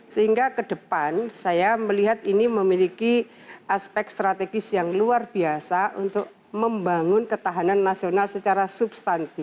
sehingga ke depan saya melihat ini memiliki aspek strategis yang luar biasa untuk membangun ketahanan nasional secara substantif